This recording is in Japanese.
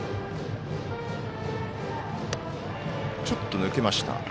ちょっと抜けました